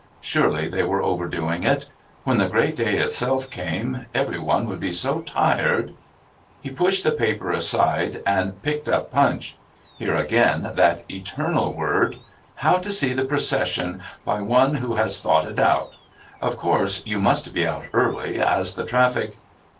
Surely they were overdoing it. When the great day itself came every one would be so tired.... He pushed the paper aside and picked up Punch. Here, again, that eternal word "How to see the Procession. By one who has thought it out. Of course you must be out early. As the traffic...."